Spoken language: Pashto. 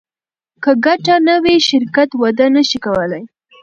که ګټه نه وي شرکت وده نشي کولی.